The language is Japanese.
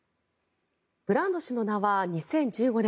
ブランド氏の名は２０１５年